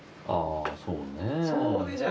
ああそうね。